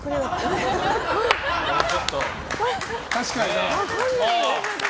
確かにね。